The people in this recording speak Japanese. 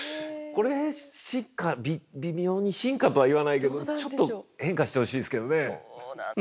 これ進化微妙に進化とは言わないけどちょっと変化してほしいですけどね。